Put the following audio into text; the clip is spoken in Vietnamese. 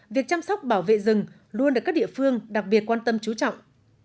việc chăm sóc bảo vệ rừng luôn được các địa phương đặc biệt quan tâm chú trọng